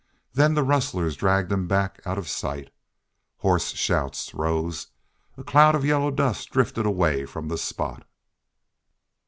Then the rustlers dragged him back out of sight. Hoarse shouts rose. A cloud of yellow dust drifted away from the spot.